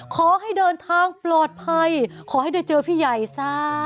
ขอให้เดินทางปลอดภัยขอให้ได้เจอพี่ใหญ่ซะ